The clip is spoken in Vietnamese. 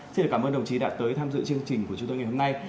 xin cảm ơn đồng chí đã tới tham dự chương trình của chúng tôi ngày hôm nay